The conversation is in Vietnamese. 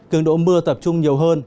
cường độ mưa tập trung nhiều hơn